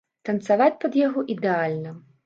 Танцаваць пад яго ідэальна.